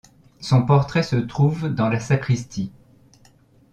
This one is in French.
Son portrait se trouve dans la sacristie.